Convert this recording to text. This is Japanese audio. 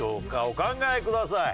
お考えください。